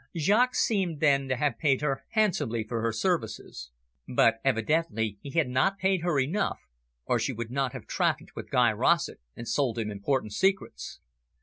Jaques seemed, then, to have paid her handsomely for her services. But evidently he had not paid her enough, or she would not have trafficked with Guy Rossett and sold him important secrets.